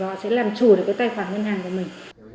và họ sẽ làm trù được cái tài khoản ngân hàng của mình